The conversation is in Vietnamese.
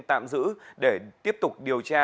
tạm giữ để tiếp tục điều tra